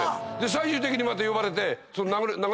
最終的にまた呼ばれて。